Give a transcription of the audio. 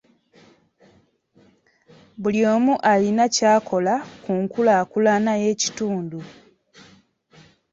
Buli omu alina ky'akola ku nkulaakulana y'ekitundu.